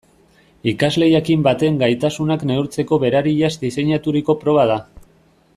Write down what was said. Ikasle jakin baten gaitasunak neurtzeko berariaz diseinaturiko proba da.